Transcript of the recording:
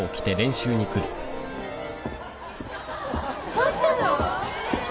どうしたの？